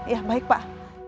ya baik pak